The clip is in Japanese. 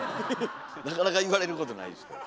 なかなか言われることないですけど。